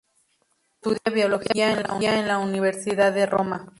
Estudia Biología en la Universidad de Roma.